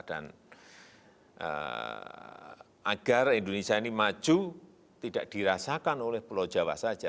dan agar indonesia ini maju tidak dirasakan oleh pulau jawa saja